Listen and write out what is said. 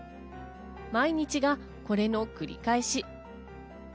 毎日がこれの繰り返し。